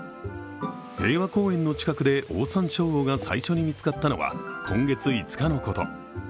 平和公園の近くでオオサンショウウオが最初に見つかったのは今月５日のこと。